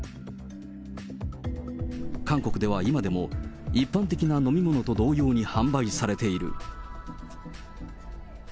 韓国では今でも、一般的な飲み物と同様に販売されている。